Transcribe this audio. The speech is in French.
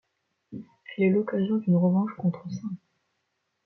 Elle est l’occasion d’une revanche contre St.